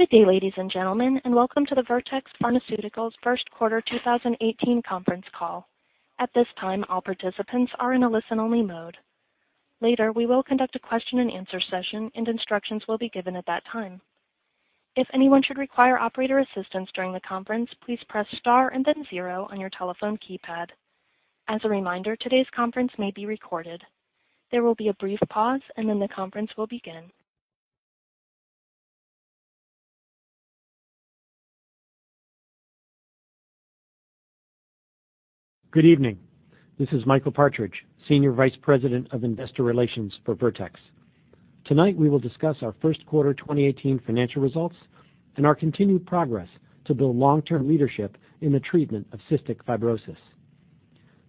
Good day, ladies and gentlemen, and welcome to the Vertex Pharmaceuticals first quarter 2018 conference call. At this time, all participants are in a listen-only mode. Later, we will conduct a question and answer session, and instructions will be given at that time. If anyone should require operator assistance during the conference, please press star and then zero on your telephone keypad. As a reminder, today's conference may be recorded. There will be a brief pause, and then the conference will begin. Good evening. This is Michael Partridge, Senior Vice President of Investor Relations for Vertex. Tonight, we will discuss our first quarter 2018 financial results and our continued progress to build long-term leadership in the treatment of cystic fibrosis.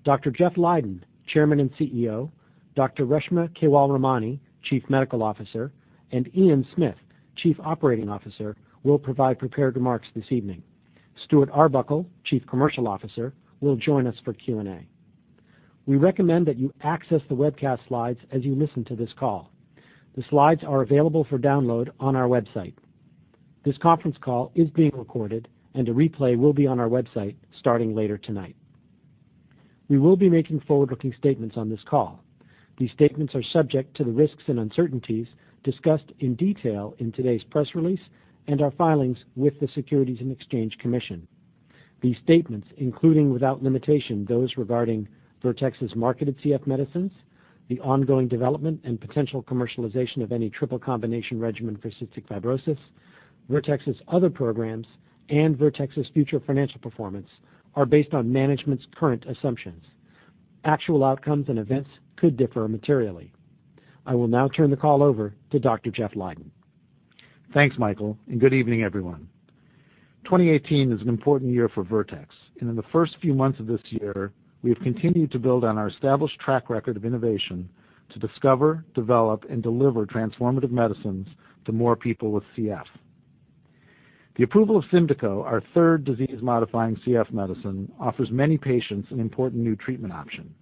Dr. Jeffrey Leiden, Chairman and CEO, Dr. Reshma Kewalramani, Chief Medical Officer, and Ian Smith, Chief Operating Officer, will provide prepared remarks this evening. Stuart Arbuckle, Chief Commercial Officer, will join us for Q&A. We recommend that you access the webcast slides as you listen to this call. The slides are available for download on our website. This conference call is being recorded, and a replay will be on our website starting later tonight. We will be making forward-looking statements on this call. These statements are subject to the risks and uncertainties discussed in detail in today's press release and our filings with the Securities and Exchange Commission. These statements, including without limitation, those regarding Vertex's marketed CF medicines, the ongoing development and potential commercialization of any triple combination regimen for cystic fibrosis, Vertex's other programs, and Vertex's future financial performance are based on management's current assumptions. Actual outcomes and events could differ materially. I will now turn the call over to Dr. Jeffrey Leiden. Thanks, Michael, and good evening, everyone. 2018 is an important year for Vertex, and in the first few months of this year, we have continued to build on our established track record of innovation to discover, develop, and deliver transformative medicines to more people with CF. The approval of SYMDEKO, our third disease-modifying CF medicine, offers many patients an important new treatment option,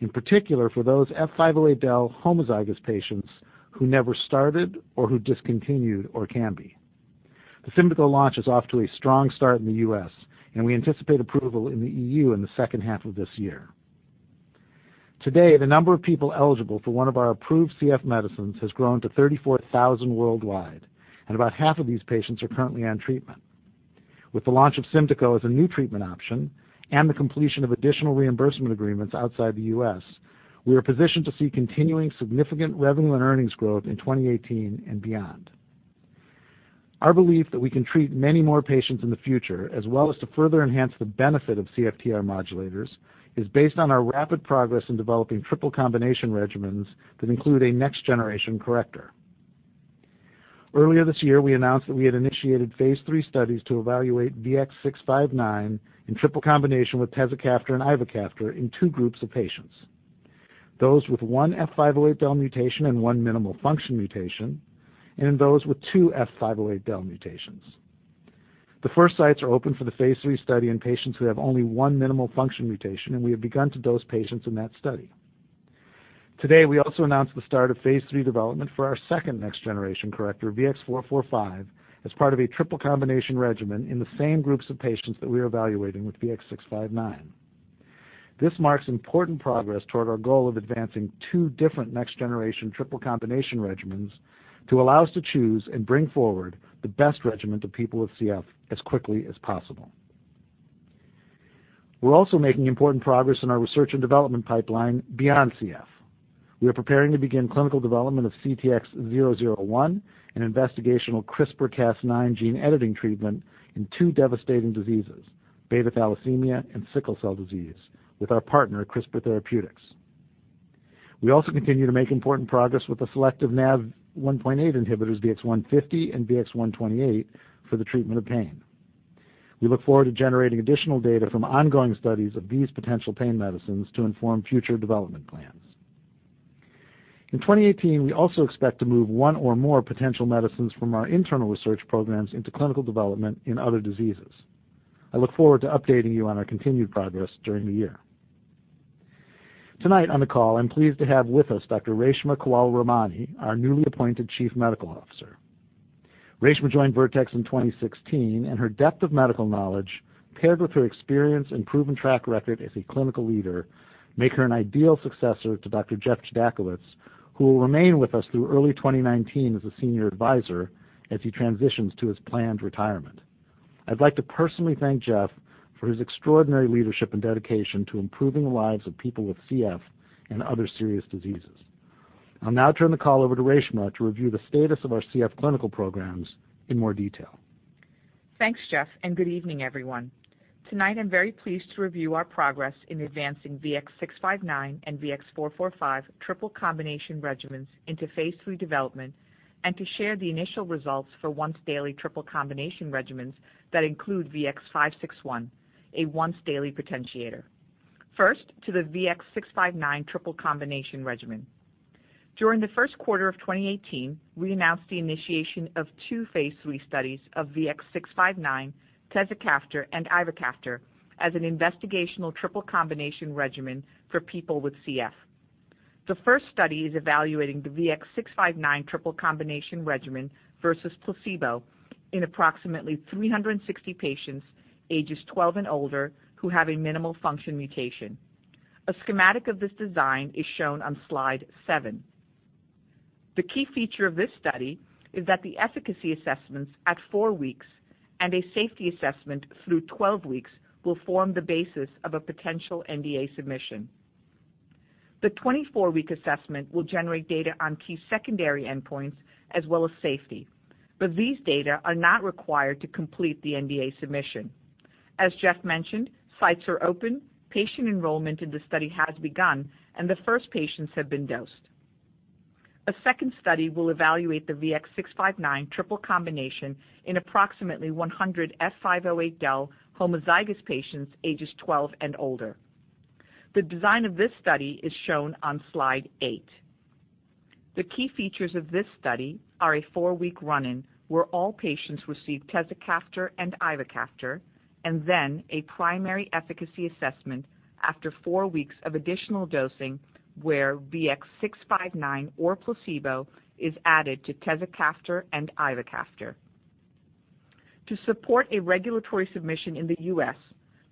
in particular for those F508del homozygous patients who never started or who discontinued ORKAMBI. The SYMDEKO launch is off to a strong start in the U.S., and we anticipate approval in the EU in the second half of this year. Today, the number of people eligible for one of our approved CF medicines has grown to 34,000 worldwide, and about half of these patients are currently on treatment. With the launch of SYMDEKO as a new treatment option and the completion of additional reimbursement agreements outside the U.S., we are positioned to see continuing significant revenue and earnings growth in 2018 and beyond. Our belief that we can treat many more patients in the future as well as to further enhance the benefit of CFTR modulators is based on our rapid progress in developing triple combination regimens that include a next-generation corrector. Earlier this year, we announced that we had initiated phase III studies to evaluate VX-659 in triple combination with tezacaftor and ivacaftor in two groups of patients, those with one F508del mutation and one minimal function mutation, and in those with two F508del mutations. The first sites are open for the phase III study in patients who have only one minimal function mutation, and we have begun to dose patients in that study. Today, we also announced the start of phase III development for our second next-generation corrector, VX-445, as part of a triple combination regimen in the same groups of patients that we are evaluating with VX-659. This marks important progress toward our goal of advancing two different next-generation triple combination regimens to allow us to choose and bring forward the best regimen to people with CF as quickly as possible. We're also making important progress in our research and development pipeline beyond CF. We are preparing to begin clinical development of CTX001, an investigational CRISPR-Cas9 gene-editing treatment in two devastating diseases, beta thalassemia and sickle cell disease, with our partner, CRISPR Therapeutics. We also continue to make important progress with the selective NaV1.8 inhibitors VX-150 and VX-128 for the treatment of pain. We look forward to generating additional data from ongoing studies of these potential pain medicines to inform future development plans. In 2018, we also expect to move one or more potential medicines from our internal research programs into clinical development in other diseases. I look forward to updating you on our continued progress during the year. Tonight on the call, I'm pleased to have with us Dr. Reshma Kewalramani, our newly appointed Chief Medical Officer. Reshma joined Vertex in 2016, and her depth of medical knowledge paired with her experience and proven track record as a clinical leader make her an ideal successor to Dr. Jeffrey Chodakewitz, who will remain with us through early 2019 as a senior advisor as he transitions to his planned retirement. I'd like to personally thank Jeff for his extraordinary leadership and dedication to improving the lives of people with CF and other serious diseases. I'll now turn the call over to Reshma to review the status of our CF clinical programs in more detail. Thanks, Jeff, and good evening, everyone. Tonight I'm very pleased to review our progress in advancing VX-659 and VX-445 triple combination regimens into phase III development and to share the initial results for once-daily triple combination regimens that include VX-561, a once-daily potentiator. First, to the VX-659 triple combination regimen. During Q1 2018, we announced the initiation of two phase III studies of VX-659, tezacaftor, and ivacaftor as an investigational triple combination regimen for people with CF. The first study is evaluating the VX-659 triple combination regimen versus placebo in approximately 360 patients ages 12 and older who have a minimal function mutation. A schematic of this design is shown on slide seven. The key feature of this study is that the efficacy assessments at four weeks and a safety assessment through 12 weeks will form the basis of a potential NDA submission. The 24-week assessment will generate data on key secondary endpoints as well as safety, but these data are not required to complete the NDA submission. As Jeff mentioned, sites are open, patient enrollment in the study has begun, and the first patients have been dosed. A second study will evaluate the VX-659 triple combination in approximately 100 F508del homozygous patients ages 12 and older. The design of this study is shown on slide eight. The key features of this study are a four-week run-in where all patients receive tezacaftor and ivacaftor, a primary efficacy assessment after four weeks of additional dosing where VX-659 or placebo is added to tezacaftor and ivacaftor. To support a regulatory submission in the U.S.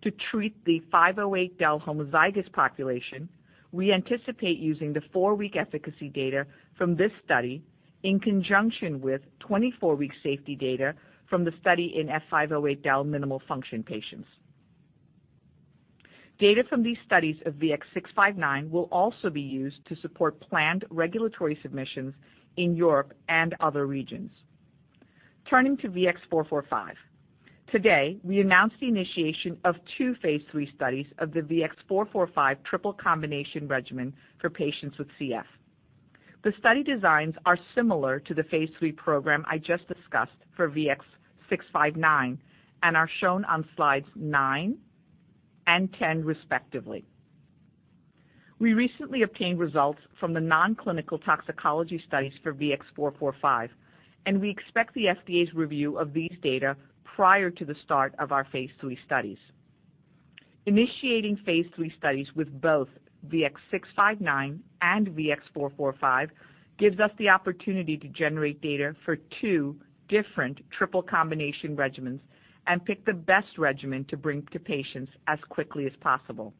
to treat the F508del homozygous population, we anticipate using the four-week efficacy data from this study in conjunction with 24-week safety data from the study in F508del minimal function patients. Data from these studies of VX-659 will also be used to support planned regulatory submissions in Europe and other regions. Turning to VX-445. Today, we announce the initiation of two phase III studies of the VX-445 triple combination regimen for patients with CF. The study designs are similar to the phase III program I just discussed for VX-659 and are shown on slides nine and 10, respectively. We recently obtained results from the non-clinical toxicology studies for VX-445, we expect the FDA's review of these data prior to the start of our phase III studies. Initiating phase III studies with both VX-659 and VX-445 gives us the opportunity to generate data for two different triple combination regimens and pick the best regimen to bring to patients as quickly as possible.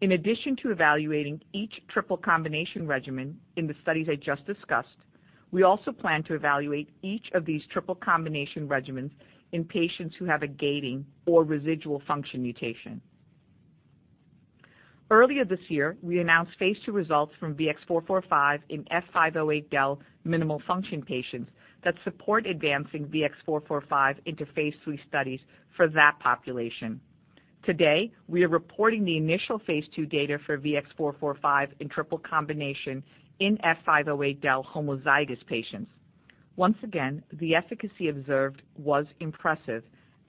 In addition to evaluating each triple combination regimen in the studies I just discussed, we also plan to evaluate each of these triple combination regimens in patients who have a gating or residual function mutation. Earlier this year, we announced phase II results from VX-445 in F508del minimal function patients that support advancing VX-445 into phase III studies for that population. Today, we are reporting the initial phase II data for VX-445 in triple combination in F508del homozygous patients. Once again, the efficacy observed was impressive,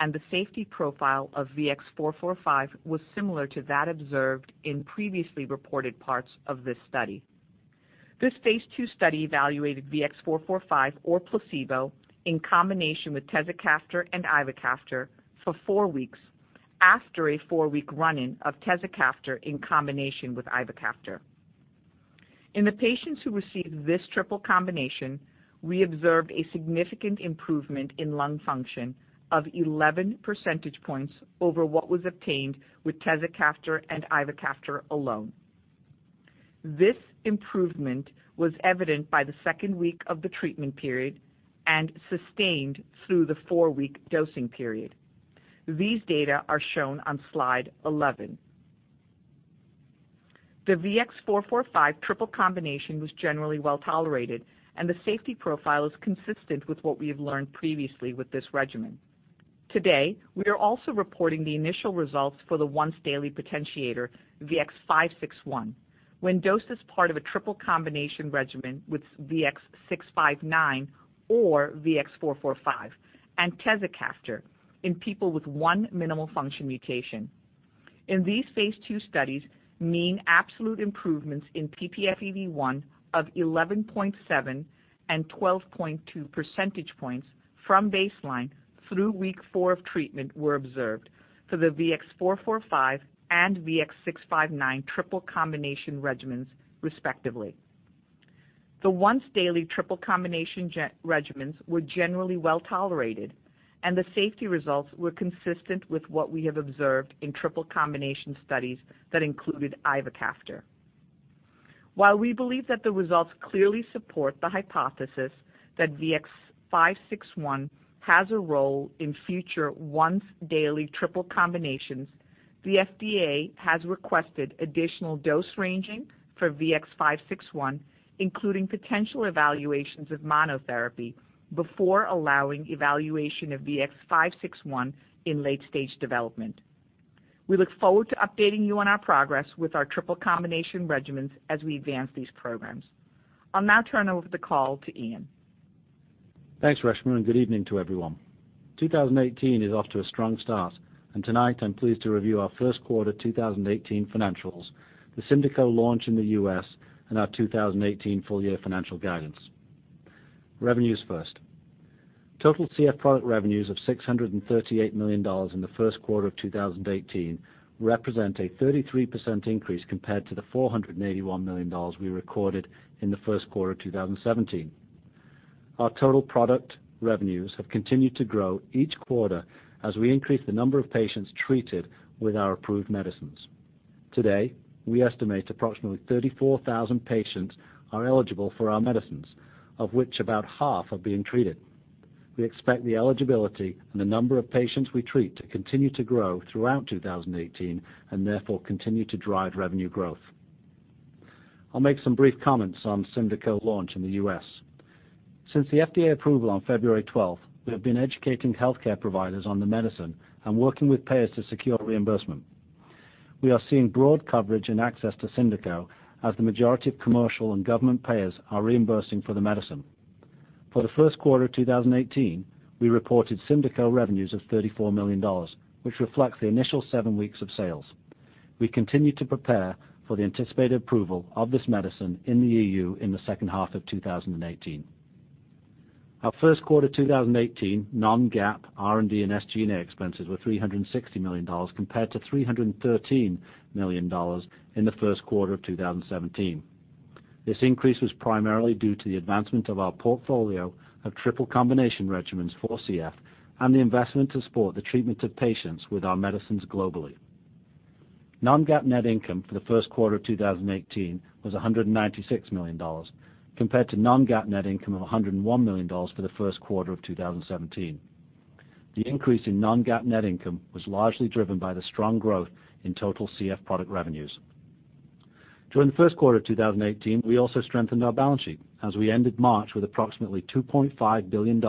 the safety profile of VX-445 was similar to that observed in previously reported parts of this study. This phase II study evaluated VX-445 or placebo in combination with tezacaftor and ivacaftor for four weeks after a four-week run-in of tezacaftor in combination with ivacaftor. In the patients who received this triple combination, we observed a significant improvement in lung function of 11 percentage points over what was obtained with tezacaftor and ivacaftor alone. This improvement was evident by the second week of the treatment period and sustained through the four-week dosing period. These data are shown on slide 11. The VX-445 triple combination was generally well-tolerated, and the safety profile is consistent with what we have learned previously with this regimen. Today, we are also reporting the initial results for the once-daily potentiator VX-561 when dosed as part of a triple combination regimen with VX-659 or VX-445 and tezacaftor in people with one minimal function mutation. In these phase II studies, mean absolute improvements in ppFEV1 of 11.7 and 12.2 percentage points from baseline through week four of treatment were observed for the VX-445 and VX-659 triple combination regimens, respectively. The once-daily triple combination regimens were generally well-tolerated, and the safety results were consistent with what we have observed in triple combination studies that included ivacaftor. While we believe that the results clearly support the hypothesis that VX-561 has a role in future once-daily triple combinations, the FDA has requested additional dose ranging for VX-561, including potential evaluations of monotherapy before allowing evaluation of VX-561 in late-stage development. We look forward to updating you on our progress with our triple combination regimens as we advance these programs. I'll now turn over the call to Ian. Thanks, Reshma, and good evening to everyone. 2018 is off to a strong start, and tonight I'm pleased to review our first quarter 2018 financials, the SYMDEKO launch in the U.S., and our 2018 full-year financial guidance. Revenues first. Total CF product revenues of $638 million in the first quarter of 2018 represent a 33% increase compared to the $481 million we recorded in the first quarter of 2017. Our total product revenues have continued to grow each quarter as we increase the number of patients treated with our approved medicines. Today, we estimate approximately 34,000 patients are eligible for our medicines, of which about half are being treated. We expect the eligibility and the number of patients we treat to continue to grow throughout 2018, and therefore continue to drive revenue growth. I'll make some brief comments on SYMDEKO launch in the U.S. Since the FDA approval on February 12th, we have been educating healthcare providers on the medicine and working with payers to secure reimbursement. We are seeing broad coverage and access to SYMDEKO as the majority of commercial and government payers are reimbursing for the medicine. For the first quarter of 2018, we reported SYMDEKO revenues of $34 million, which reflects the initial seven weeks of sales. We continue to prepare for the anticipated approval of this medicine in the EU in the second half of 2018. Our first quarter 2018 non-GAAP, R&D, and SG&A expenses were $360 million compared to $313 million in the first quarter of 2017. This increase was primarily due to the advancement of our portfolio of triple-combination regimens for CF and the investment to support the treatment of patients with our medicines globally. Non-GAAP net income for the first quarter of 2018 was $196 million, compared to non-GAAP net income of $101 million for the first quarter of 2017. The increase in non-GAAP net income was largely driven by the strong growth in total CF product revenues. During the first quarter of 2018, we also strengthened our balance sheet as we ended March with approximately $2.5 billion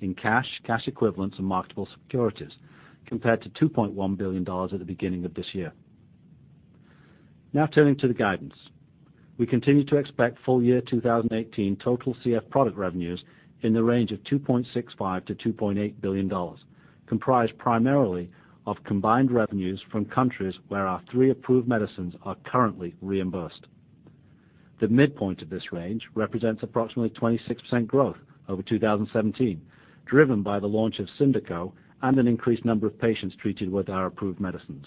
in cash equivalents, and marketable securities, compared to $2.1 billion at the beginning of this year. Turning to the guidance. We continue to expect full-year 2018 total CF product revenues in the range of $2.65 billion-$2.8 billion, comprised primarily of combined revenues from countries where our three approved medicines are currently reimbursed. The midpoint of this range represents approximately 26% growth over 2017, driven by the launch of SYMDEKO and an increased number of patients treated with our approved medicines.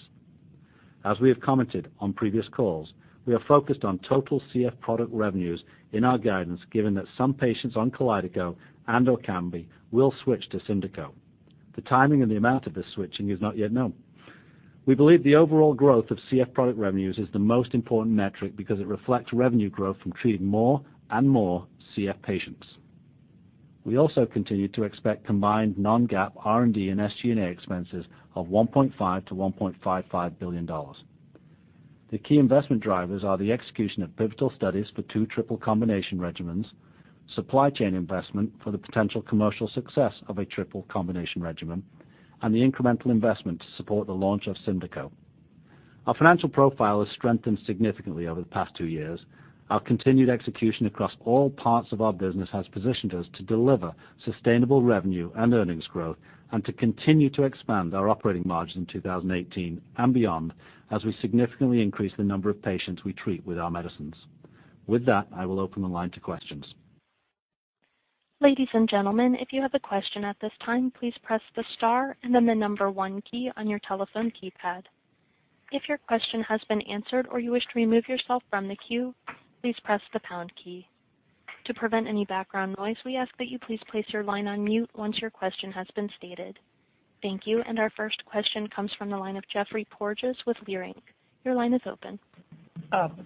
As we have commented on previous calls, we are focused on total CF product revenues in our guidance, given that some patients on KALYDECO and/or ORKAMBI will switch to SYMDEKO. The timing and the amount of this switching is not yet known. We believe the overall growth of CF product revenues is the most important metric because it reflects revenue growth from treating more and more CF patients. We also continue to expect combined non-GAAP, R&D, and SG&A expenses of $1.5 billion-$1.55 billion. The key investment drivers are the execution of pivotal studies for two triple-combination regimens, supply chain investment for the potential commercial success of a triple-combination regimen, and the incremental investment to support the launch of SYMDEKO. Our financial profile has strengthened significantly over the past two years. Our continued execution across all parts of our business has positioned us to deliver sustainable revenue and earnings growth and to continue to expand our operating margin in 2018 and beyond as we significantly increase the number of patients we treat with our medicines. With that, I will open the line to questions. Ladies and gentlemen, if you have a question at this time, please press the star and then the number 1 key on your telephone keypad. If your question has been answered or you wish to remove yourself from the queue, please press the pound key. To prevent any background noise, we ask that you please place your line on mute once your question has been stated. Thank you. Our first question comes from the line of Geoffrey Porges with Leerink. Your line is open.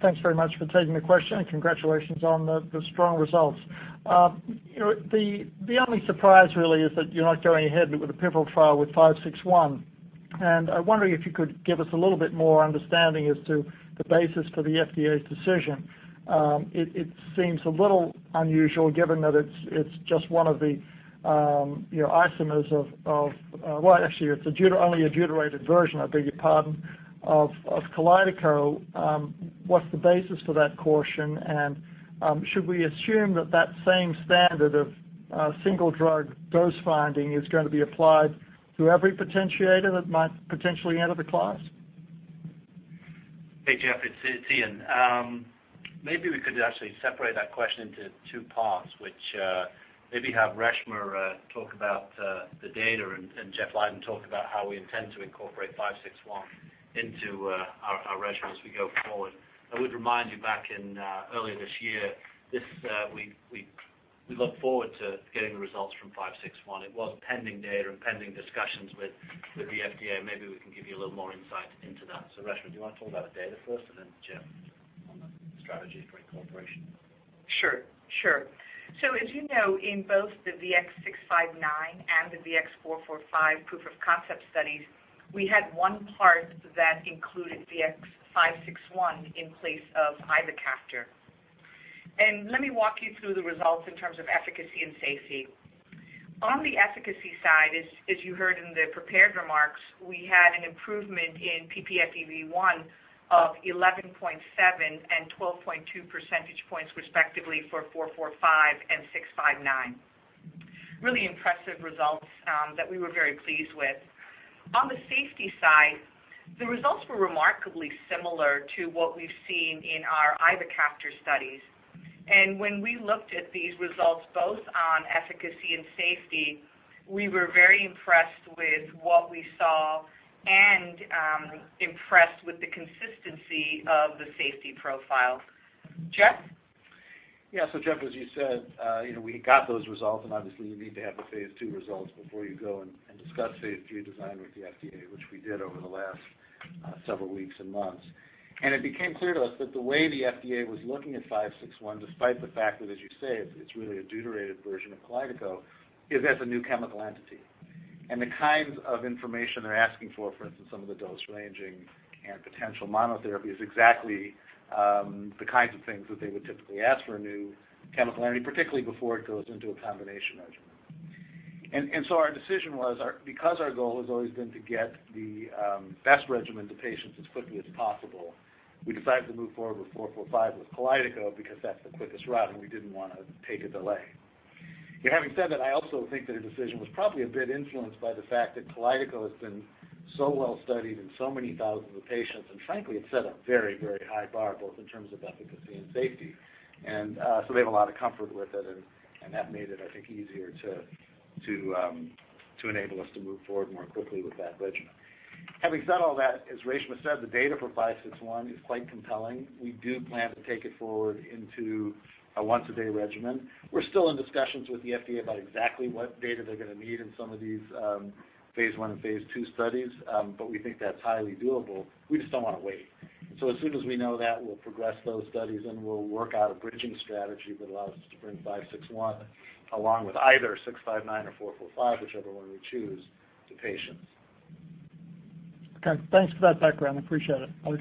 Thanks very much for taking the question. Congratulations on the strong results. The only surprise really is that you are not going ahead with a pivotal trial with VX-561. I am wondering if you could give us a little bit more understanding as to the basis for the FDA's decision. It seems a little unusual given that it is just one of the isomers of Well, actually, it is only a deuterated version, I beg your pardon, of KALYDECO. What is the basis for that caution? Should we assume that same standard of single-drug dose finding is going to be applied to every potentiator that might potentially enter the class? Hey, Geoff, it is Ian Smith. Maybe we could actually separate that question into two parts, which maybe have Reshma Kewalramani talk about the data and Jeffrey Leiden talk about how we intend to incorporate VX-561 into our regimen as we go forward. I would remind you back earlier this year, we looked forward to getting the results from VX-561. It was pending data and pending discussions with the FDA. Maybe we can give you a little more insight into that. Reshma Kewalramani, do you want to talk about the data first, and then Jeff on the strategy for incorporation? Sure. As you know, in both the VX-659 and the VX-445 proof of concept studies, we had one part that included VX-561 in place of ivacaftor. Let me walk you through the results in terms of efficacy and safety. On the efficacy side, as you heard in the prepared remarks, we had an improvement in ppFEV1 of 11.7 and 12.2 percentage points, respectively, for VX-445 and VX-659. Really impressive results that we were very pleased with. On the safety side, the results were remarkably similar to what we have seen in our ivacaftor studies. When we looked at these results both on efficacy and safety, we were very impressed with what we saw and impressed with the consistency of the safety profile. Jeff? Yeah. Geff, as you said, we got those results, and obviously you need to have the phase II results before you go and discuss phase III design with the FDA, which we did over the last several weeks and months. It became clear to us that the way the FDA was looking at VX-561, despite the fact that as you say, it is really a deuterated version of KALYDECO, is as a new chemical entity. The kinds of information they are asking for instance, some of the dose ranging and potential monotherapy, is exactly the kinds of things that they would typically ask for a new chemical entity, particularly before it goes into a combination regimen. Our decision was, because our goal has always been to get the best regimen to patients as quickly as possible, we decided to move forward with 445 with KALYDECO because that's the quickest route, and we didn't want to take a delay. Having said that, I also think that a decision was probably a bit influenced by the fact that KALYDECO has been so well studied in so many thousands of patients, and frankly, it set a very, very high bar both in terms of efficacy and safety. We have a lot of comfort with it, and that made it, I think, easier to enable us to move forward more quickly with that regimen. Having said all that, as Reshma said, the data for 561 is quite compelling. We do plan to take it forward into a once-a-day regimen. We're still in discussions with the FDA about exactly what data they're going to need in some of these phase I and phase II studies. We think that's highly doable. We just don't want to wait. As soon as we know that, we'll progress those studies and we'll work out a bridging strategy that allows us to bring 561 along with either 659 or 445, whichever one we choose, to patients. Okay. Thanks for that background. I appreciate it. I'll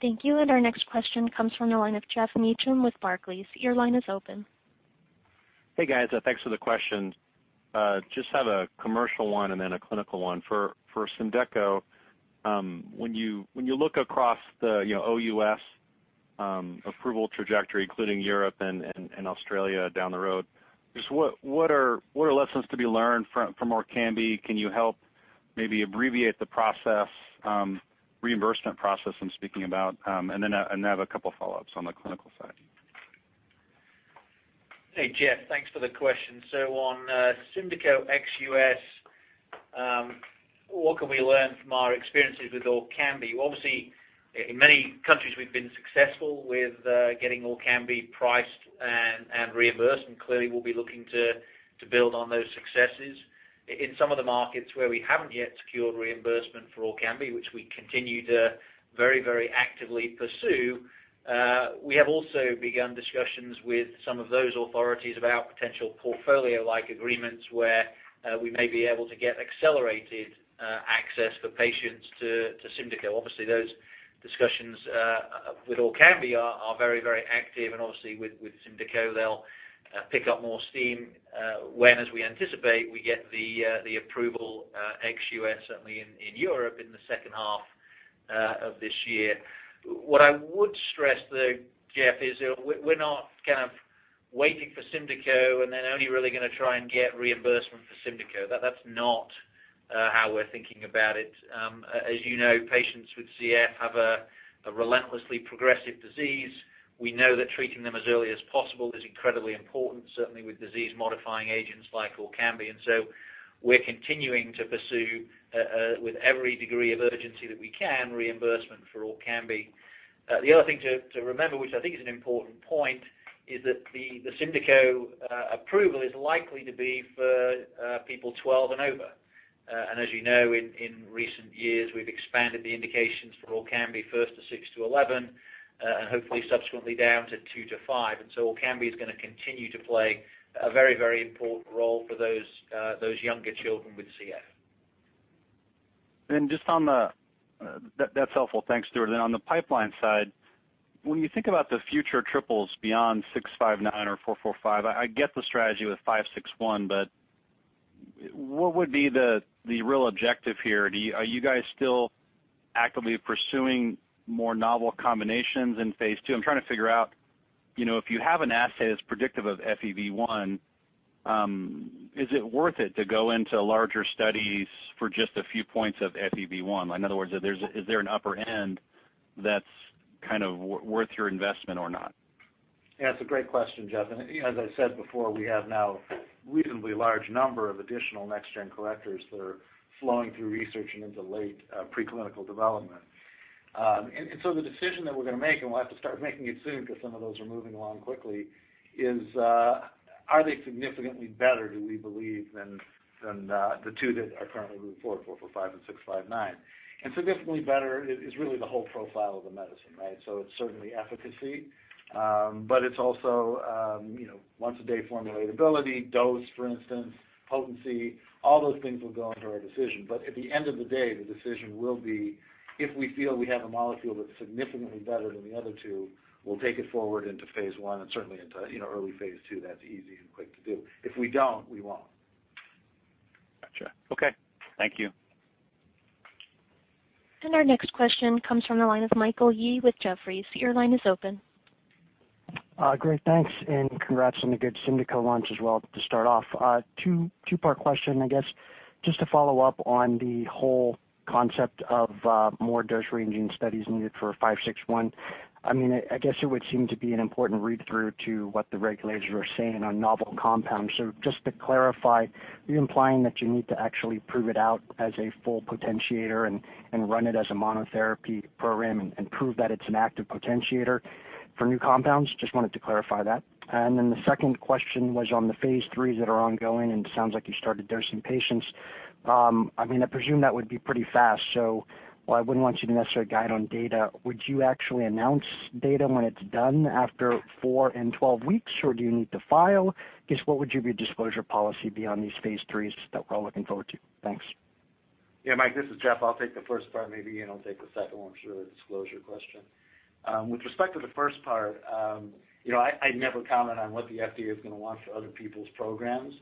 get in the queue. Thank you. Our next question comes from the line of Geoffrey Meacham with Barclays. Your line is open. Hey, guys. Thanks for the question. Just have a commercial one and then a clinical one. For SYMDEKO, when you look across the OUS approval trajectory, including Europe and Australia down the road, just what are lessons to be learned from ORKAMBI? Can you help maybe abbreviate the process, reimbursement process I'm speaking about? I have a couple of follow-ups on the clinical side. Hey, Jeff. Thanks for the question. On SYMDEKO ex-US, what can we learn from our experiences with ORKAMBI? Obviously, in many countries we've been successful with getting ORKAMBI priced and reimbursed, clearly we'll be looking to build on those successes. In some of the markets where we haven't yet secured reimbursement for ORKAMBI, which we continue to very, very actively pursue, we have also begun discussions with some of those authorities about potential portfolio-like agreements where we may be able to get accelerated access for patients to SYMDEKO. Obviously, those discussions with ORKAMBI are very, very active obviously with SYMDEKO, they'll pick up more steam when, as we anticipate, we get the approval ex-US, certainly in Europe in the second half of this year. What I would stress, though, Jeff, is we're not kind of waiting for SYMDEKO then only really going to try and get reimbursement for SYMDEKO. That's not how we're thinking about it. As you know, patients with CF have a relentlessly progressive disease. We know that treating them as early as possible is incredibly important, certainly with disease-modifying agents like ORKAMBI. We're continuing to pursue with every degree of urgency that we can reimbursement for ORKAMBI. The other thing to remember, which I think is an important point, is that the SYMDEKO approval is likely to be for people 12 and over. As you know, in recent years, we've expanded the indications for ORKAMBI first to six to 11, and hopefully subsequently down to two to five. ORKAMBI is going to continue to play a very, very important role for those younger children with CF. That's helpful. Thanks, Stuart. On the pipeline side, when you think about the future triples beyond 659 or 445, I get the strategy with 561, what would be the real objective here? Are you guys still actively pursuing more novel combinations in phase II? I'm trying to figure out if you have an assay that's predictive of FEV1, is it worth it to go into larger studies for just a few points of FEV1? In other words, is there an upper end that's worth your investment or not? Yeah, it's a great question, Jeff. As I said before, we have now a reasonably large number of additional next-gen correctors that are flowing through research and into late preclinical development. The decision that we're going to make, and we'll have to start making it soon because some of those are moving along quickly, is are they significantly better, do we believe, than the two that are currently in route, 445 and 659? Significantly better is really the whole profile of the medicine, right? It's certainly efficacy, it's also once-a-day formulatability, dose, for instance, potency. All those things will go into our decision. At the end of the day, the decision will be if we feel we have a molecule that's significantly better than the other two, we'll take it forward into phase I and certainly into early phase II. That's easy and quick to do. If we don't, we won't. Got you. Okay. Thank you. Our next question comes from the line of Michael Yee with Jefferies. Your line is open. Great. Thanks, and congrats on the good SYMDEKO launch as well to start off. Two-part question, I guess. Just to follow up on the whole concept of more dose-ranging studies needed for VX-561. I guess it would seem to be an important read-through to what the regulators are saying on novel compounds. Just to clarify, are you implying that you need to actually prove it out as a full potentiator and run it as a monotherapy program and prove that it's an active potentiator for new compounds? Just wanted to clarify that. The second question was on the phase III that are ongoing, and it sounds like you started dosing patients. I presume that would be pretty fast. While I wouldn't want you to necessarily guide on data, would you actually announce data when it's done after four and 12 weeks, or do you need to file? I guess, what would your disclosure policy be on these phase III that we're all looking forward to? Thanks. Yeah, Mike, this is Jeff. I'll take the first part. Maybe Ian will take the second one, sort of the disclosure question. With respect to the first part, I never comment on what the FDA is going to want for other people's programs.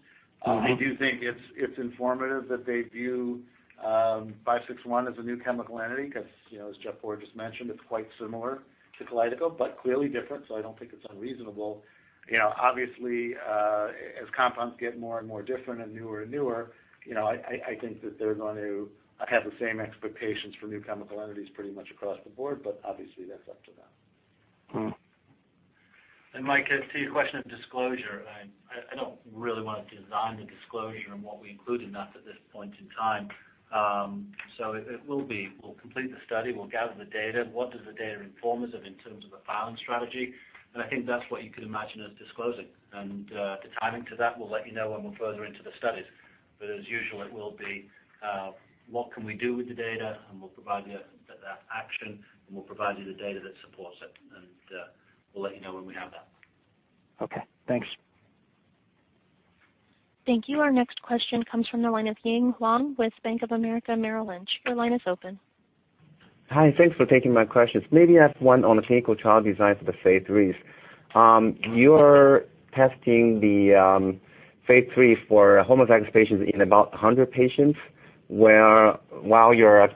I do think it's informative that they view 561 as a new chemical entity because, as Jeff Porges just mentioned, it's quite similar to KALYDECO, but clearly different. I don't think it's unreasonable. Obviously, as compounds get more and more different and newer and newer, I think that they're going to have the same expectations for new chemical entities pretty much across the board. Obviously, that's up to them. Mike, to your question of disclosure, I don't really want to design the disclosure and what we include in that at this point in time. It will be, we'll complete the study, we'll gather the data. What does the data inform us of in terms of a filing strategy? I think that's what you could imagine us disclosing. The timing to that, we'll let you know when we're further into the studies. As usual, it will be, what can we do with the data, and we'll provide you that action, and we'll provide you the data that supports it. We'll let you know when we have that. Okay, thanks. Thank you. Our next question comes from the line of Ying Huang with Bank of America Merrill Lynch. Your line is open. Hi. Thanks for taking my questions. I have one on the clinical trial design for the phase III. You're testing the phase III for homozygous patients in about 100 patients, while you're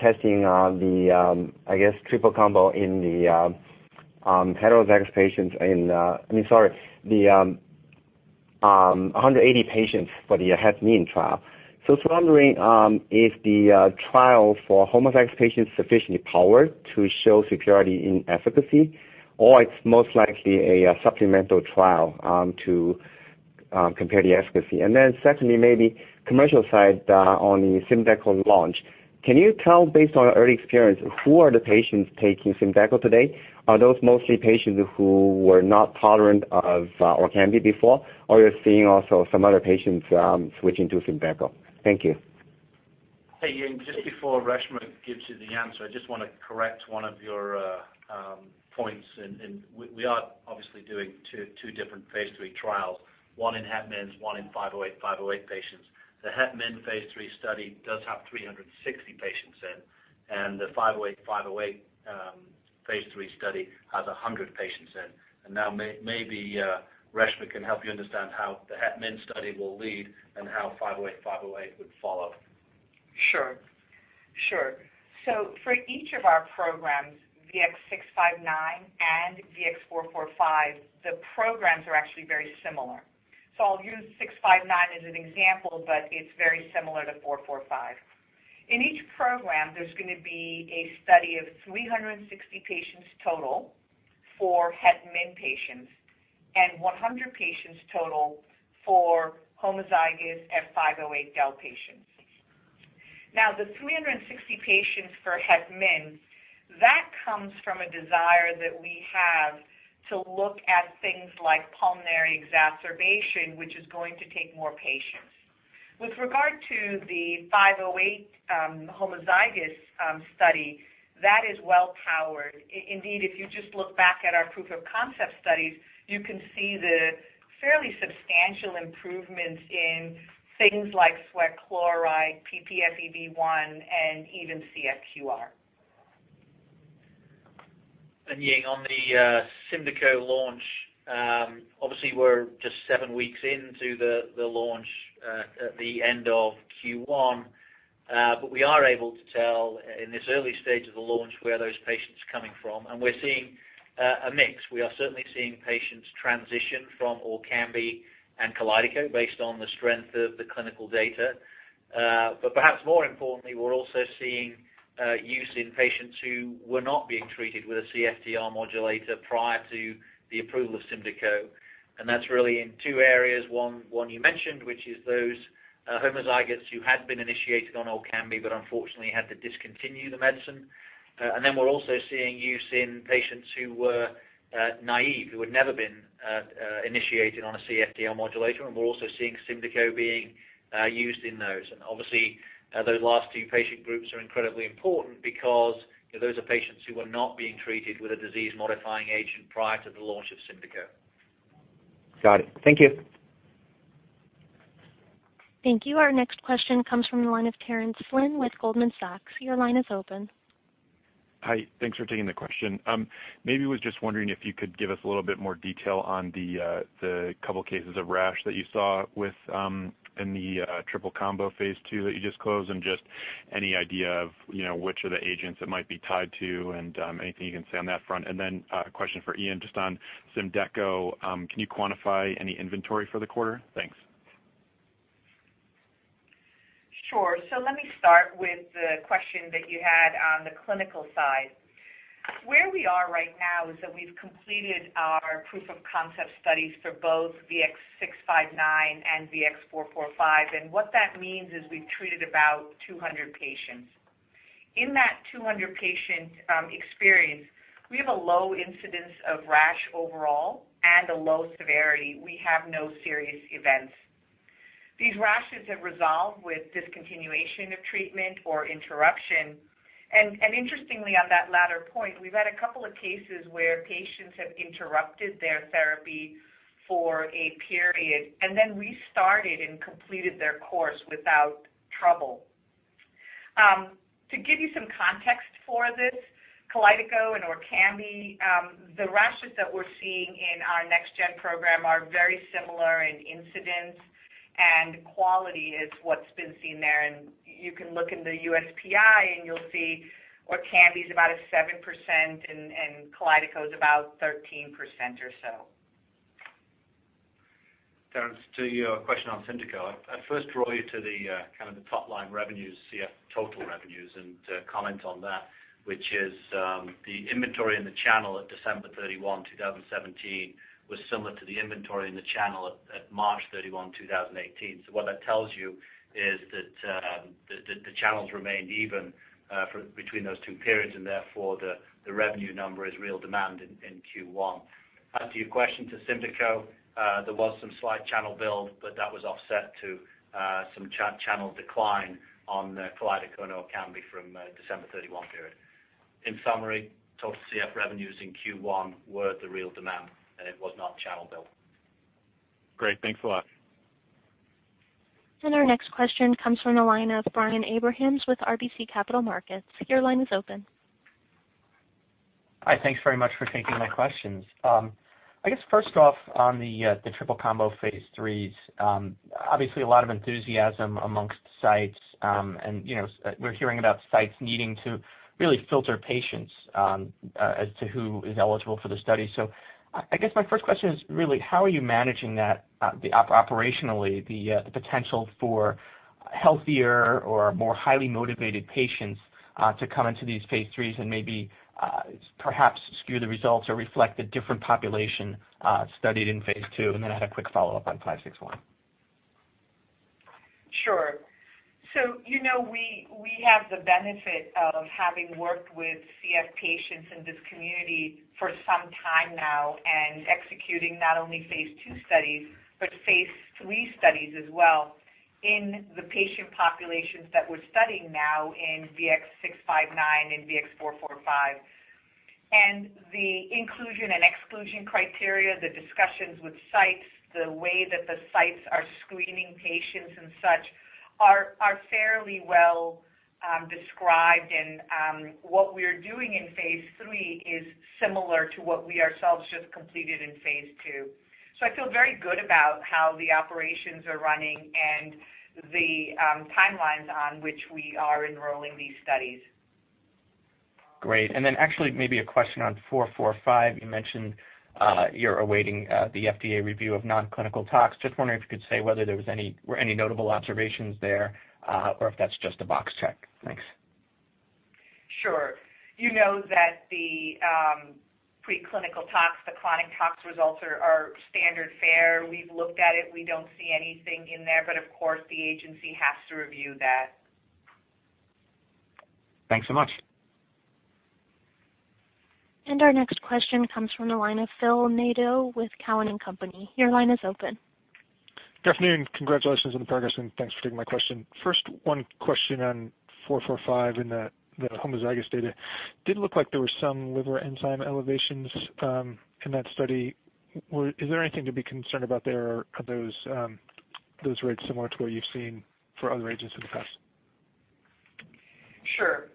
testing the, I guess, triple combo in the heterozygous patients, I mean, sorry, the 180 patients for the het min trial. Just wondering, is the trial for homozygous patients sufficiently powered to show superiority in efficacy? It's most likely a supplemental trial to compare the efficacy. Secondly, maybe commercial side on the SYMDEKO launch. Can you tell based on early experience, who are the patients taking SYMDEKO today? Are those mostly patients who were not tolerant of ORKAMBI before? Are you seeing also some other patients switching to SYMDEKO? Thank you. Hey, Ying. Just before Reshma gives you the answer, I just want to correct one of your points. We are obviously doing two different phase III trials, one in het min, one in 508,508 patients. The het min phase III study does have 360 patients in, and the 508,508 phase III study has 100 patients in. Now maybe Reshma can help you understand how the het min study will lead and how 508,508 would follow. Sure. For each of our programs, VX-659 and VX-445, the programs are actually very similar. I'll use 659 as an example, but it's very similar to 445. In each program, there's going to be a study of 360 patients total for het min patients and 100 patients total for homozygous F508del patients. The 360 patients for het min, that comes from a desire that we have to look at things like pulmonary exacerbation, which is going to take more patients. With regard to the 508 homozygous study, that is well powered. Indeed, if you just look back at our proof of concept studies, you can see the fairly substantial improvements in things like sweat chloride, ppFEV1, and even CFQR. Ying, on the SYMDEKO launch, obviously we're just seven weeks into the launch at the end of Q1. We are able to tell in this early stage of the launch where those patients are coming from, and we're seeing a mix. We are certainly seeing patients transition from ORKAMBI and KALYDECO based on the strength of the clinical data. Perhaps more importantly, we're also seeing use in patients who were not being treated with a CFTR modulator prior to the approval of SYMDEKO. That's really in two areas. One you mentioned, which is those homozygous who had been initiated on ORKAMBI but unfortunately had to discontinue the medicine. We're also seeing use in patients who were naive, who had never been initiated on a CFTR modulator, and we're also seeing SYMDEKO being used in those. Obviously, those last two patient groups are incredibly important because those are patients who were not being treated with a disease-modifying agent prior to the launch of SYMDEKO. Got it. Thank you. Thank you. Our next question comes from the line of Terence Flynn with Goldman Sachs. Your line is open. Hi, thanks for taking the question. Maybe was just wondering if you could give us a little bit more detail on the couple cases of rash that you saw in the triple combo phase II that you just closed, and just any idea of which of the agents it might be tied to and anything you can say on that front. Then a question for Ian just on SYMDEKO. Can you quantify any inventory for the quarter? Thanks. Sure. Let me start with the question that you had on the clinical side. Where we are right now is that we've completed our proof of concept studies for both VX-659 and VX-445, and what that means is we've treated about 200 patients. In that 200 patient experience, we have a low incidence of rash overall and a low severity. We have no serious events. These rashes have resolved with discontinuation of treatment or interruption. Interestingly on that latter point, we've had a couple of cases where patients have interrupted their therapy for a period and then restarted and completed their course without trouble. To give you some context for this, KALYDECO and ORKAMBI, the rashes that we're seeing in our next gen program are very similar in incidence, and quality is what's been seen there. You can look in the USPI and you'll see ORKAMBI is about a 7% and KALYDECO is about 13% or so. Terence, to your question on SYMDEKO, I'd first draw you to the top line revenues, CF total revenues, and comment on that, which is the inventory in the channel at December 31, 2017, was similar to the inventory in the channel at March 31, 2018. What that tells you is that the channels remained even between those two periods, and therefore the revenue number is real demand in Q1. As to your question to SYMDEKO, there was some slight channel build, that was offset to some channel decline on KALYDECO and ORKAMBI from December 31 period. In summary, total CF revenues in Q1 were the real demand, it was not channel build. Great. Thanks a lot. Our next question comes from the line of Brian Abrahams with RBC Capital Markets. Your line is open. Hi, thanks very much for taking my questions. I guess first off, on the triple combo phase IIIs, obviously a lot of enthusiasm amongst sites, and we're hearing about sites needing to really filter patients as to who is eligible for the study. I guess my first question is really how are you managing that operationally, the potential for healthier or more highly motivated patients to come into these phase IIIs and maybe perhaps skew the results or reflect the different population studied in phase II? Then I had a quick follow-up on 561. Sure. We have the benefit of having worked with CF patients in this community for some time now and executing not only phase II studies, but phase III studies as well in the patient populations that we're studying now in VX-659 and VX-445. The inclusion and exclusion criteria, the discussions with sites, the way that the sites are screening patients and such are fairly well described. What we're doing in phase III is similar to what we ourselves just completed in phase II. I feel very good about how the operations are running and the timelines on which we are enrolling these studies. Great. Then actually maybe a question on 445. You mentioned you're awaiting the FDA review of non-clinical tox. Just wondering if you could say whether there were any notable observations there or if that's just a box check. Thanks. Sure. You know that the preclinical tox, the chronic tox results are standard fare. We've looked at it. We don't see anything in there, but of course, the agency has to review that. Thanks so much. Our next question comes from the line of Phil Nadeau with Cowen and Company. Your line is open. Good afternoon. Congratulations on the progress and thanks for taking my question. First one question on 445 in the homozygous data. Did look like there were some liver enzyme elevations in that study. Is there anything to be concerned about there, or are those rates similar to what you've seen for other agents in the past? Sure.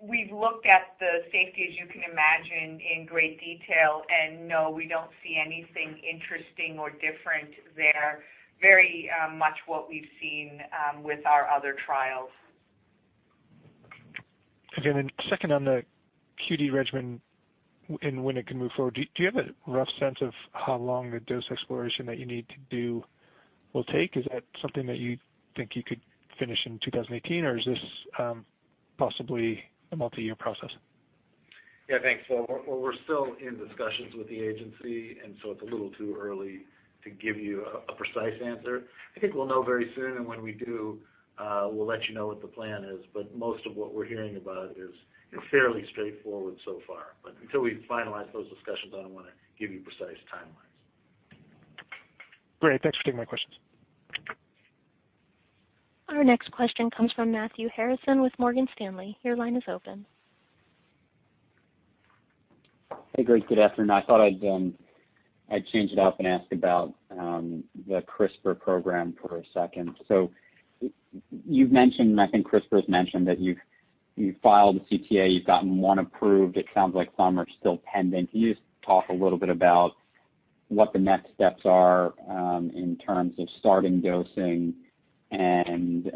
We've looked at the safety, as you can imagine, in great detail, and no, we don't see anything interesting or different there. Very much what we've seen with our other trials. Again, second on the QD regimen and when it can move forward. Do you have a rough sense of how long the dose exploration that you need to do will take? Is that something that you think you could finish in 2018, or is this possibly a multi-year process? Yeah, thanks, Phil. We're still in discussions with the agency, and so it's a little too early to give you a precise answer. I think we'll know very soon, and when we do, we'll let you know what the plan is. Most of what we're hearing about is fairly straightforward so far. Until we finalize those discussions, I don't want to give you precise timelines. Great. Thanks for taking my questions. Our next question comes from Matthew Harrison with Morgan Stanley. Your line is open. Hey, great. Good afternoon. I thought I'd change it up and ask about the CRISPR program for a second. You've mentioned, and I think CRISPR has mentioned, that you've filed a CTA, you've gotten one approved. It sounds like some are still pending. Can you just talk a little bit about what the next steps are in terms of starting dosing and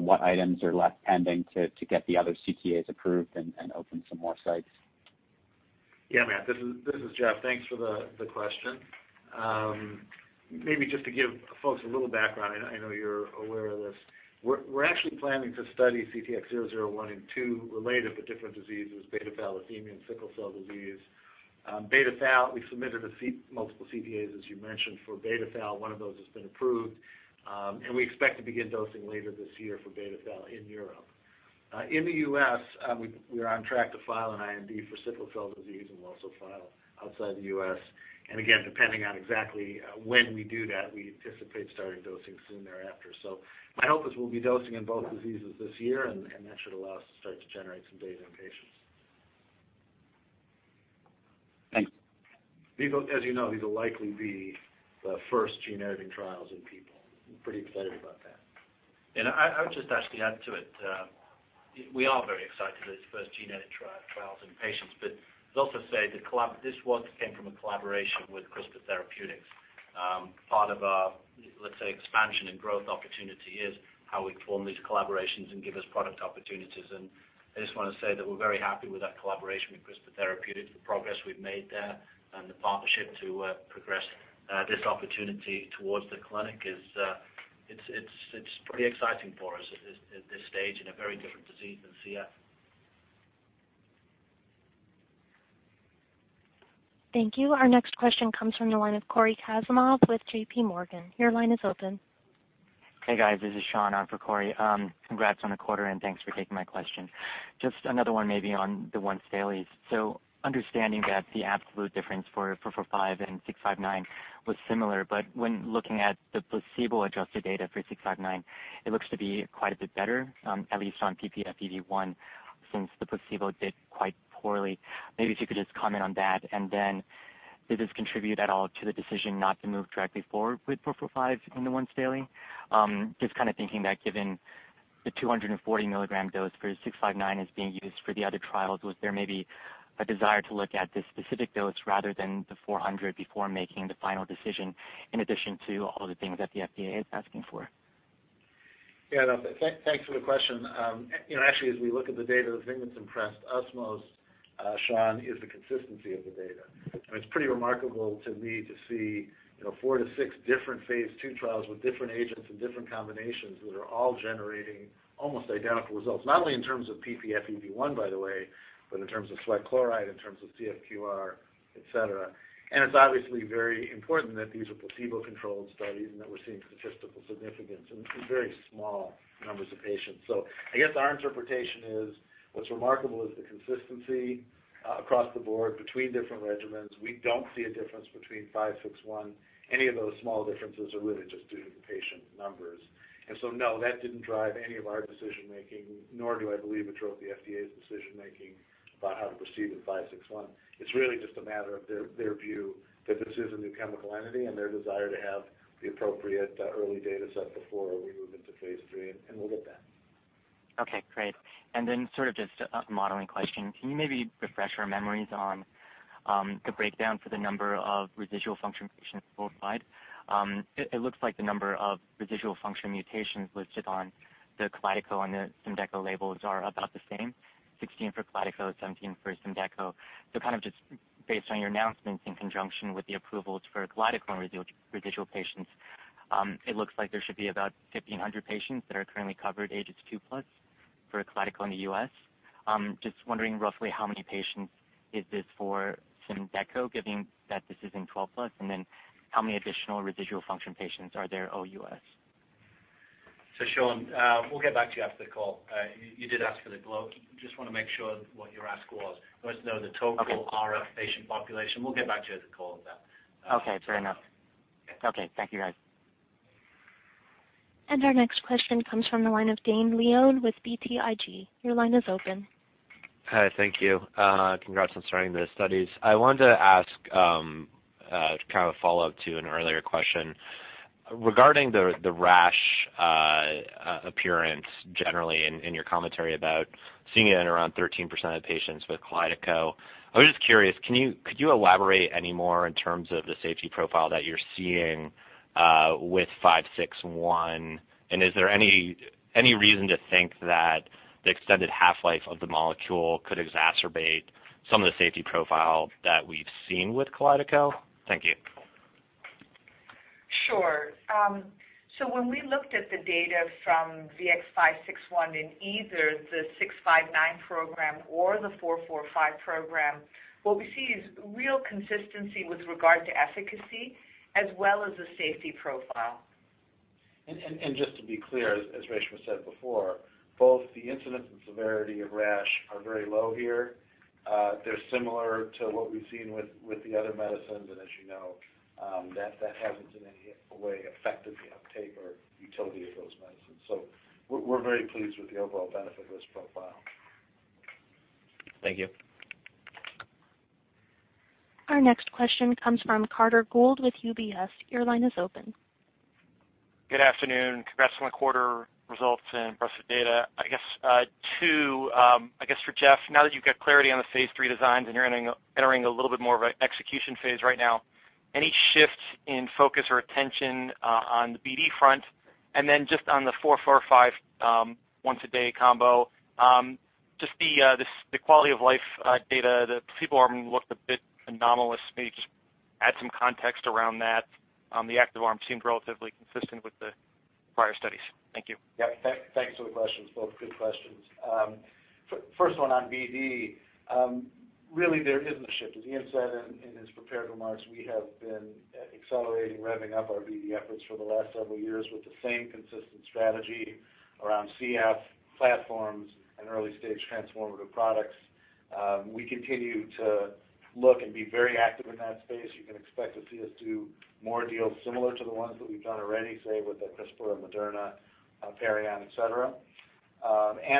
what items are left pending to get the other CTAs approved and open some more sites? Yeah, Matt, this is Jeff. Thanks for the question. Maybe just to give folks a little background, I know you're aware of this. We're actually planning to study CTX001 and two related but different diseases, beta thalassemia and sickle cell disease. Beta thal, we submitted multiple CTAs, as you mentioned, for beta thal. One of those has been approved, and we expect to begin dosing later this year for beta thal in Europe. In the U.S., we are on track to file an IND for sickle cell disease and will also file outside the U.S. Again, depending on exactly when we do that, we anticipate starting dosing soon thereafter. My hope is we'll be dosing in both diseases this year, and that should allow us to start to generate some data on patients. Thanks. As you know, these will likely be the first gene-editing trials in people. I'm pretty excited about that. I would just actually add to it. We are very excited that it's the first gene-editing trials in patients, but also say this work came from a collaboration with CRISPR Therapeutics. Part of our, let's say, expansion and growth opportunity is how we form these collaborations and give us product opportunities. I just want to say that we're very happy with that collaboration with CRISPR Therapeutics, the progress we've made there, and the partnership to progress this opportunity towards the clinic. It's pretty exciting for us at this stage in a very different disease than CF. Thank you. Our next question comes from the line of Cory Kasimov with J.P. Morgan. Your line is open. Hey, guys, this is Sean on for Cory. Congrats on the quarter and thanks for taking my question. Just another one maybe on the once-dailies. Understanding that the absolute difference for VX-445 and VX-659 was similar, but when looking at the placebo-adjusted data for VX-659, it looks to be quite a bit better, at least on ppFEV1, since the placebo did quite poorly. Maybe if you could just comment on that. Did this contribute at all to the decision not to move directly forward with VX-445 in the once-daily? Just thinking that given the 240 milligram dose for VX-659 is being used for the other trials, was there maybe a desire to look at this specific dose rather than the 400 before making the final decision, in addition to all the things that the FDA is asking for? Thanks for the question. Actually, as we look at the data, the thing that's impressed us most, Sean, is the consistency of the data. It's pretty remarkable to me to see four to six different phase II trials with different agents and different combinations that are all generating almost identical results, not only in terms of ppFEV1, by the way, but in terms of sweat chloride, in terms of CFQR, et cetera. It's obviously very important that these are placebo-controlled studies and that we're seeing statistical significance in very small numbers of patients. I guess our interpretation is what's remarkable is the consistency across the board between different regimens. We don't see a difference between VX-561. Any of those small differences are really just due to the patient numbers. No, that didn't drive any of our decision-making, nor do I believe it drove the FDA's decision-making about how to proceed with 561. It's really just a matter of their view that this is a new chemical entity and their desire to have the appropriate early data set before we move into phase III, and we'll get that. Okay, great. Just a modeling question. Can you maybe refresh our memories on the breakdown for the number of residual function patients full slide? It looks like the number of residual function mutations listed on the KALYDECO and the SYMDEKO labels are about the same, 16 for KALYDECO, 17 for SYMDEKO. Just based on your announcements in conjunction with the approvals for KALYDECO and residual patients, it looks like there should be about 1,500 patients that are currently covered, ages two plus for KALYDECO in the U.S. Just wondering roughly how many patients is this for SYMDEKO, given that this is in 12 plus, and then how many additional residual function patients are there OUS? Sean, we'll get back to you after the call. You did ask for the globe. Just want to make sure what your ask was. You want to know the total RF patient population. We'll get back to you after the call with that. Okay, fair enough. Okay. Okay. Thank you, guys. Our next question comes from the line of Dane Leone with BTIG. Your line is open. Hi. Thank you. Congrats on starting the studies. I wanted to ask to follow up to an earlier question. Regarding the rash appearance generally in your commentary about seeing it in around 13% of patients with KALYDECO, I was just curious, could you elaborate any more in terms of the safety profile that you're seeing with 561? Is there any reason to think that the extended half-life of the molecule could exacerbate some of the safety profile that we've seen with KALYDECO? Thank you. Sure. When we looked at the data from VX-561 in either the 659 program or the 445 program, what we see is real consistency with regard to efficacy as well as the safety profile. Just to be clear, as Reshma said before, both the incidence and severity of rash are very low here. They're similar to what we've seen with the other medicines, and as you know, that hasn't in any way affected the uptake or utility of those medicines. We're very pleased with the overall benefit risk profile. Thank you. Our next question comes from Carter Gould with UBS. Your line is open. Good afternoon. Congrats on the quarter results and impressive data. I guess for Jeff, now that you've got clarity on the phase III designs and you're entering a little bit more of an execution phase right now, any shifts in focus or attention on the BD front? Just on the 445 once a day combo, just the quality of life data, the placebo arm looked a bit anomalous. Maybe just add some context around that. The active arm seemed relatively consistent with the prior studies. Thank you. Yep. Thanks for the questions. Both good questions. First one on BD. Really, there isn't a shift. As Ian said in his prepared remarks, we have been accelerating, revving up our BD efforts for the last several years with the same consistent strategy around CF platforms and early-stage transformative products. We continue to look and be very active in that space. You can expect to see us do more deals similar to the ones that we've done already, say with the CRISPR and Moderna, Parion, et cetera.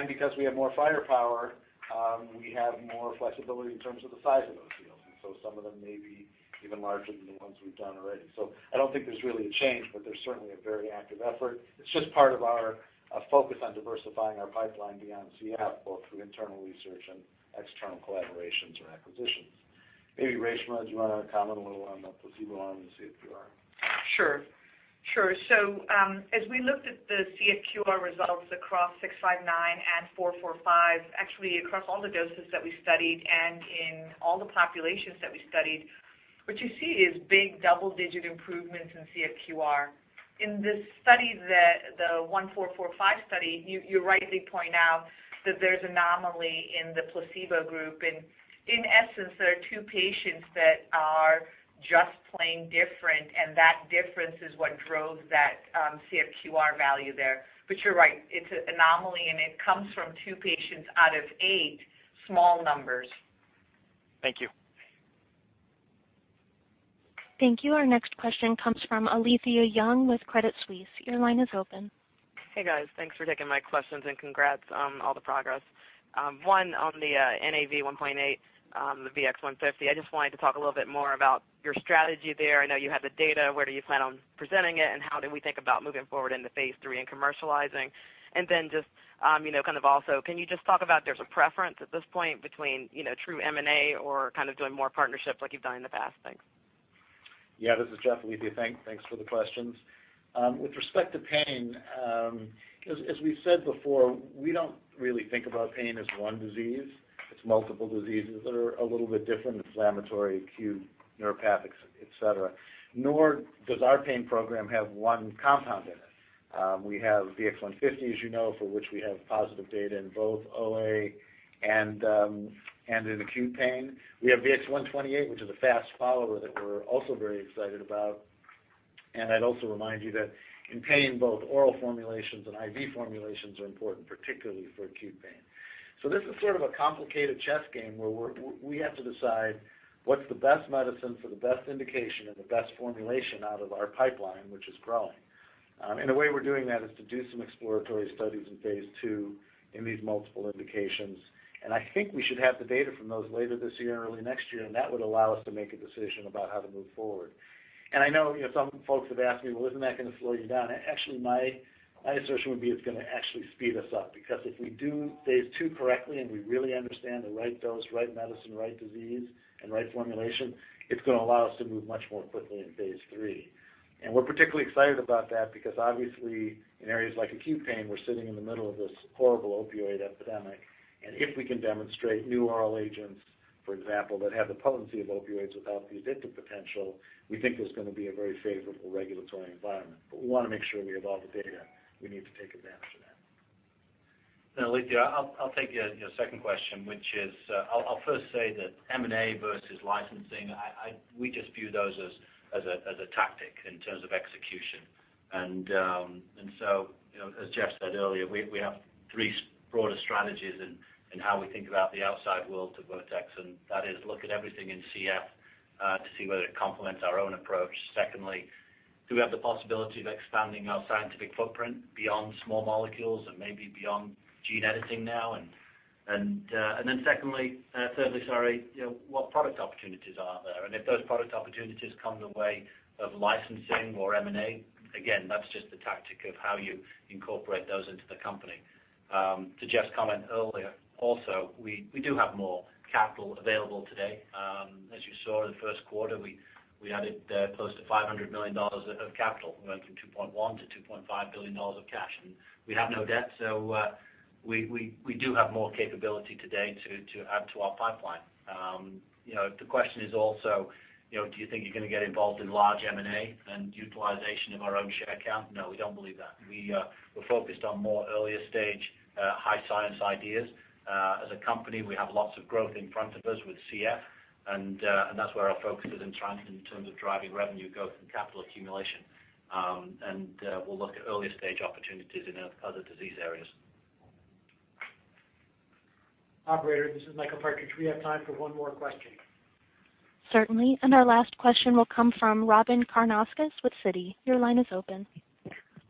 Because we have more firepower, we have more flexibility in terms of the size of those deals. Some of them may be even larger than the ones we've done already. I don't think there's really a change, but there's certainly a very active effort. It's just part of our focus on diversifying our pipeline beyond CF, both through internal research and external collaborations or acquisitions. Maybe Reshma, do you want to comment a little on the placebo arm and CFQR? Sure. As we looked at the CFQR results across 659 and 445, actually across all the doses that we studied and in all the populations that we studied, what you see is big double-digit improvements in CFQR. In the study, the VX-445 study, you rightly point out that there's anomaly in the placebo group, and in essence, there are two patients that are just plain different, and that difference is what drove that CFQR value there. You're right, it's an anomaly, and it comes from two patients out of eight. Small numbers. Thank you. Thank you. Our next question comes from Alethia Young with Credit Suisse. Your line is open. Hey, guys. Thanks for taking my questions and congrats on all the progress. One on the NaV1.8, the VX-150. I just wanted to talk a little bit more about your strategy there. I know you have the data. Where do you plan on presenting it, and how do we think about moving forward into phase III and commercializing? Then just, also, can you just talk about if there's a preference at this point between true M&A or doing more partnerships like you've done in the past? Thanks. Yeah. This is Jeff. Alethia, thanks for the questions. With respect to pain, as we've said before, we don't really think about pain as one disease. It's multiple diseases that are a little bit different, inflammatory, acute neuropathies, et cetera, nor does our pain program have one compound in it. We have VX-150, as you know, for which we have positive data in both OA and in acute pain. We have VX-128, which is a fast follower that we're also very excited about. I'd also remind you that in pain, both oral formulations and IV formulations are important, particularly for acute pain. This is sort of a complicated chess game where we have to decide what's the best medicine for the best indication and the best formulation out of our pipeline, which is growing. The way we're doing that is to do some exploratory studies in phase II in these multiple indications. I think we should have the data from those later this year or early next year, and that would allow us to make a decision about how to move forward. I know some folks have asked me, "Well, isn't that going to slow you down?" Actually, my assertion would be it's going to actually speed us up, because if we do phase II correctly and we really understand the right dose, right medicine, right disease, and right formulation, it's going to allow us to move much more quickly into phase III. We're particularly excited about that because obviously in areas like acute pain, we're sitting in the middle of this horrible opioid epidemic. If we can demonstrate new oral agents, for example, that have the potency of opioids without the addictive potential, we think there's going to be a very favorable regulatory environment. We want to make sure we have all the data we need to take advantage of that. Now, Alethia, I'll take your second question. I'll first say that M&A versus licensing, we just view those as a tactic in terms of execution. As Jeff said earlier, we have three broader strategies in how we think about the outside world to Vertex, and that is look at everything in CF to see whether it complements our own approach. Secondly, do we have the possibility of expanding our scientific footprint beyond small molecules and maybe beyond gene editing now? Thirdly, what product opportunities are there? If those product opportunities come in the way of licensing or M&A, again, that's just the tactic of how you incorporate those into the company. To Jeff's comment earlier also, we do have more capital available today. As you saw in the first quarter, we added close to $500 million of capital. We went from $2.1 billion-$2.5 billion of cash, we have no debt. We do have more capability today to add to our pipeline. The question is also, do you think you're going to get involved in large M&A and utilization of our own share count? No, we don't believe that. We're focused on more earlier-stage, high science ideas. As a company, we have lots of growth in front of us with CF, and that's where our focus is in terms of driving revenue growth and capital accumulation. We'll look at earlier-stage opportunities in other disease areas. Operator, this is Michael Partridge. We have time for one more question. Certainly. Our last question will come from Robyn Karnauskas with Citi. Your line is open.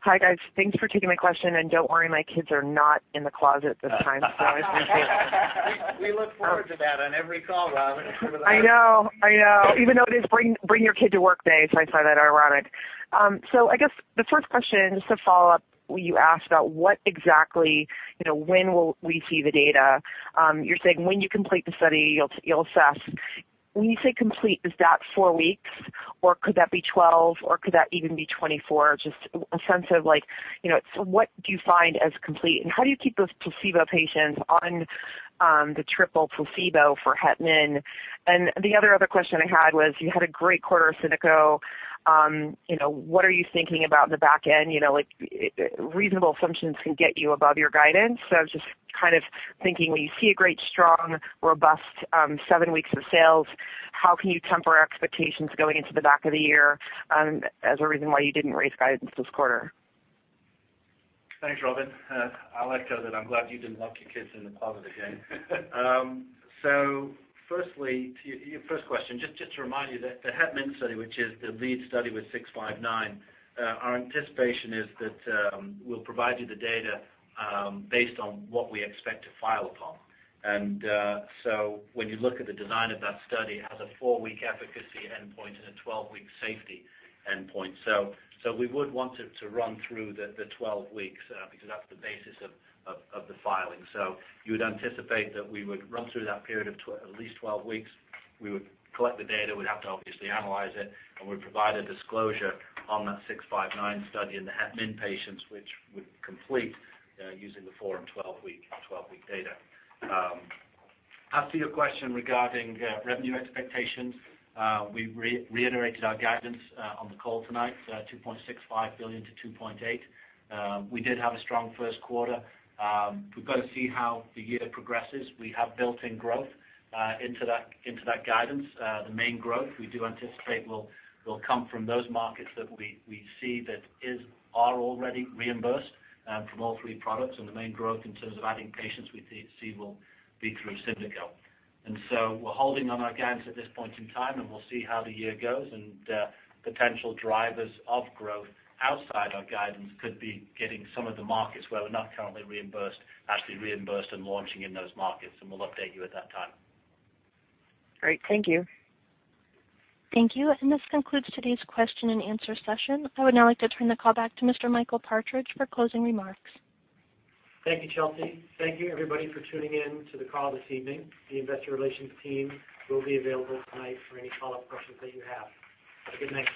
Hi guys. Thanks for taking my question, don't worry, my kids are not in the closet this time I appreciate it. We look forward to that on every call, Robyn. I know, I know. Even though it is bring your kid to work day, I find that ironic. I guess the first question, just to follow up, you asked about what exactly, when will we see the data? You're saying when you complete the study, you'll assess. When you say complete, is that four weeks, or could that be 12 or could that even be 24? Just a sense of what do you find as complete, and how do you keep those placebo patients on the triple placebo for het/min? The other question I had was, you had a great quarter of SYMDEKO. What are you thinking about on the back end? Reasonable assumptions can get you above your guidance. I was just thinking when you see a great, strong, robust, seven weeks of sales, how can you temper expectations going into the back of the year as a reason why you didn't raise guidance this quarter? Thanks, Robyn. I'll echo that I'm glad you didn't lock your kids in the closet again. Firstly, to your first question, just to remind you that the het/min study, which is the lead study with 659, our anticipation is that we'll provide you the data based on what we expect to file upon. When you look at the design of that study, it has a 4-week efficacy endpoint and a 12-week safety endpoint. We would want it to run through the 12 weeks because that's the basis of the filing. You would anticipate that we would run through that period of at least 12 weeks. We would collect the data, we'd have to obviously analyze it, and we'd provide a disclosure on that 659 study in the het/min patients which would complete using the 4 and 12-week data. As to your question regarding revenue expectations, we reiterated our guidance on the call tonight, $2.65 billion-$2.8 billion. We did have a strong first quarter. We've got to see how the year progresses. We have built-in growth into that guidance. The main growth we do anticipate will come from those markets that we see that are already reimbursed from all three products, and the main growth in terms of adding patients we see will be through SYMDEKO. We're holding on our guidance at this point in time, and we'll see how the year goes and potential drivers of growth outside our guidance could be getting some of the markets where we're not currently reimbursed, actually reimbursed and launching in those markets, and we'll update you at that time. Great. Thank you. Thank you. This concludes today's question and answer session. I would now like to turn the call back to Mr. Michael Partridge for closing remarks. Thank you, Chelsea. Thank you everybody for tuning in to the call this evening. The investor relations team will be available tonight for any follow-up questions that you have. Have a good night.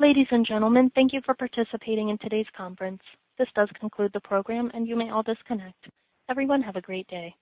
Ladies and gentlemen, thank you for participating in today's conference. This does conclude the program. You may all disconnect. Everyone have a great day.